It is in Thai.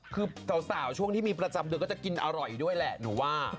คือสาวช่วงที่มีประจำเดือนก็จะกินอร่อยด้วยแหละหนูว่า